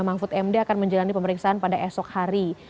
mahfud md akan menjalani pemeriksaan pada esok hari